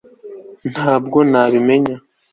ntabwo nabimenye